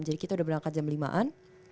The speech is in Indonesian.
jadi kita udah berangkat jam lima an